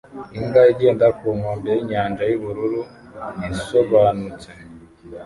Imbwa igenda ku nkombe yinyanja yubururu isobanutse